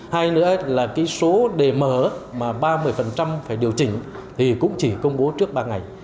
hai nữa là cái số đề mở mà ba mươi phải điều chỉnh thì cũng chỉ công bố trước ba ngày